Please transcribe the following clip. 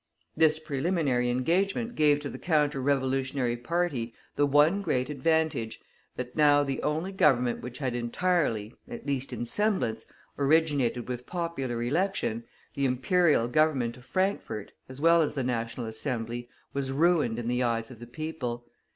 This preliminary engagement gave to the Counter Revolutionary party the one great advantage, that now the only Government which had entirely at least in semblance originated with popular election, the Imperial Government of Frankfort, as well as the National Assembly, was ruined in the eyes of the people.